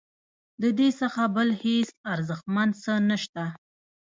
ددې څخه بل هیڅ ارزښتمن څه نشته.